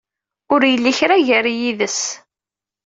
Ur yelli kra gar-i yid-s.